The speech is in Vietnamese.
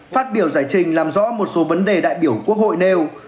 phát biểu giải trình làm rõ một số vấn đề đại biểu quốc hội nêu